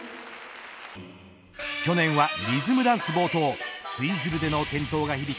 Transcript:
去年はリズムダンス冒頭ツイズルでの転倒が響き